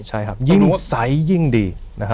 ใช่ครับยิ่งใสยิ่งดีนะครับ